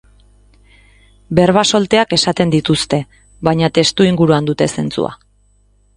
Berba solteak esaten dituzte, baina testuinguruan dute zentzua.